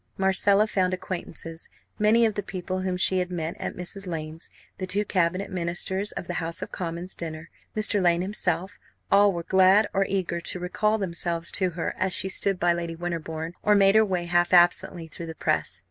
Marcella found acquaintances. Many of the people whom she had met at Mrs. Lane's, the two Cabinet Ministers of the House of Commons dinner, Mr. Lane himself all were glad or eager to recall themselves to her as she stood by Lady Winterbourne, or made her way half absently through the press.